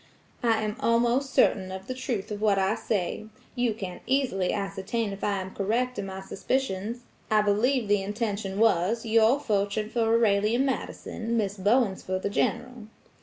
"I am almost certain of the truth of what I say; you can easily ascertain if I am correct in my suspicions. I believe the intention was, your fortune for Aurelia Madison, Miss Bowen's for the General."